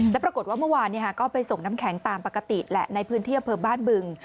แล้วปรากฏว่าเมื่อวานก็ไปส่งน้ำแข็งตามปกติแหละในพื้นที่อำเภอบ้านบึง